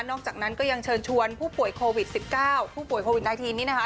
อกจากนั้นก็ยังเชิญชวนผู้ป่วยโควิด๑๙ผู้ป่วยโควิด๑๙นี้นะคะ